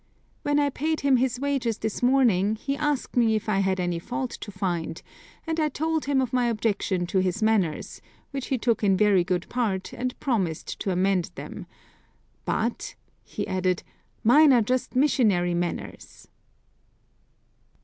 When I paid him his wages this morning he asked me if I had any fault to find, and I told him of my objection to his manners, which he took in very good part and promised to amend them; "but," he added, "mine are just missionary manners!"